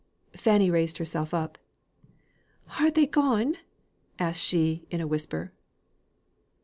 Fanny raised herself up: "Are they gone?" asked she, in a whisper.